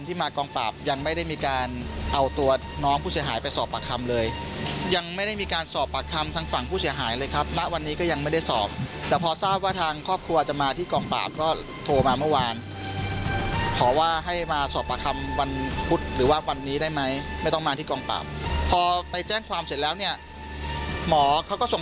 มากองปราบยังไม่ได้มีการเอาตัวน้องผู้เสียหายไปสอบปากคำเลยยังไม่ได้มีการสอบปากคำทางฝั่งผู้เสียหายเลยครับณวันนี้ก็ยังไม่ได้สอบแต่พอทราบว่าทางครอบครัวจะมาที่กองปราบก็โทรมาเมื่อวานขอว่าให้มาสอบปากคำวันพุธหรือว่าวันนี้ได้ไหมไม่ต้องมาที่กองปราบพอไปแจ้งความเสร็จแล้วเนี่ยหมอเขาก็ส่ง